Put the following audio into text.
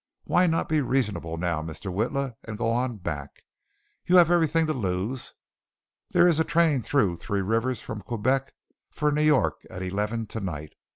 Why not be reasonable now, Mr. Witla, and go on back? You have everything to lose. There is a train through Three Rivers from Quebec for New York at eleven tonight.